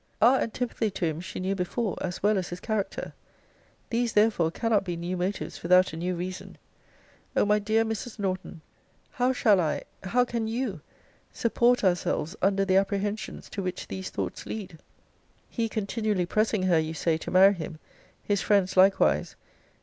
Our antipathy to him she knew before, as well as his character. These therefore cannot be new motives without a new reason. O my dear Mrs. Norton, how shall I, how can you, support ourselves under the apprehensions to which these thoughts lead! He continually pressing her, you say, to marry him: his friends likewise.